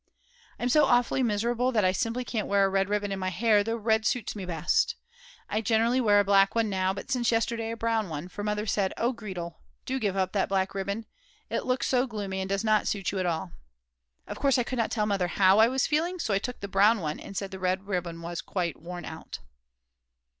I'm so awfully miserable that I simply can't wear a red ribbon in my hair, though red suits me best. I generally wear a black one now, but since yesterday a brown one, for Mother said: "Oh, Gretel, do give up that black ribbon; it looks so gloomy and does not suit you at all." Of course I could not tell Mother how I was feeling, so I took the brown one and said the red ribbon was quite worn out.